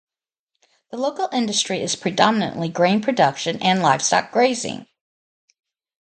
The local industry is predominantly grain production and livestock grazing.